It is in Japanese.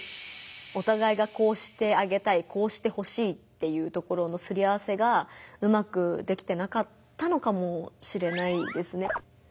おたがいがこうしてあげたいこうしてほしいっていうところのすり合わせがうまくできてなかったのかもしれないですね。